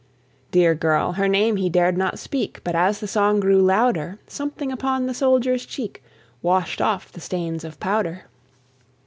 Dear girl, her name he dared not speak, But, as the song grew louder, Something upon the soldier's cheek Washed off the stains of powder.